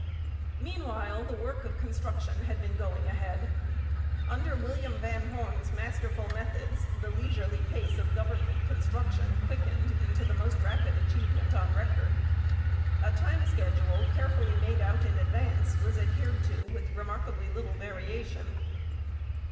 Meanwhile, the work of construction had been going ahead. Under William Van Horne's masterful methods the leisurely pace of government construction quickened into the most rapid achievement on record. A time schedule, carefully made out in advance, was adhered to with remarkably little variation.